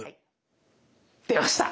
出ました。